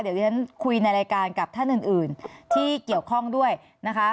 เดี๋ยวที่ฉันคุยในรายการกับท่านอื่นที่เกี่ยวข้องด้วยนะคะ